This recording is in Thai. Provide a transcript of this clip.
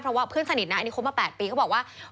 เพราะว่าเพื่อนสนิทนะอันนี้คบมา๘ปีเขาบอกว่า